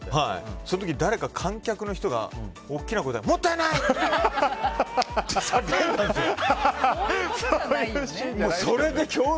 その時誰か観客の人が、大きな声でもったいない！って叫んだ。